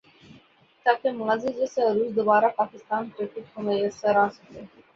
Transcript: تاکہ ماضی جیسا عروج دوبارہ پاکستان کرکٹ کو میسر آ سکے ۔